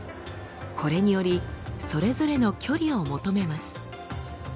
これによりそれぞれの距離を求めます。